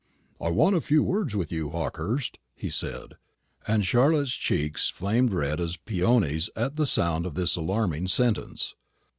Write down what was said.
"I want a few words with you, Hawkehurst," he said; and Charlotte's cheeks flamed red as peonies at sound of this alarming sentence.